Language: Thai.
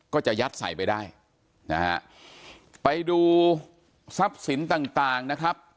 ก็จะยัดใส่ไปได้นะฮะไปดูทรัพย์สินต่างต่างนะครับ